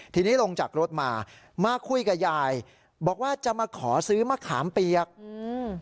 ทีนี้ลงจากรถมามาคุยกับยายบอกว่าจะมาขอซื้อมะขามเปียกอืม